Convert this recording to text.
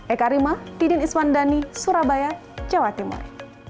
eka rima didin iswandani surabaya jawa timur